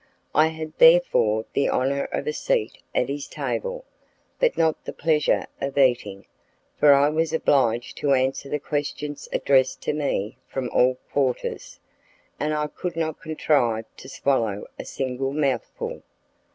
I had therefore the honour of a seat at his table, but not the pleasure of eating, for I was obliged to answer the questions addressed to me from all quarters, and I could not contrive to swallow a single mouthful.